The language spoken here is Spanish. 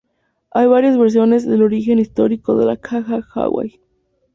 Hay varias versiones del origen histórico de la Ka Hae Hawaiʻi.